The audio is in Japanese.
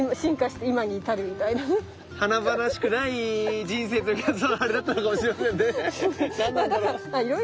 華々しくない人生というかそのあれだったのかもしれませんね何なんだろう？